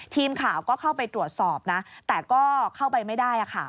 ทีมข่าวก็เข้าไปตรวจสอบนะแต่ก็เข้าไปไม่ได้ค่ะ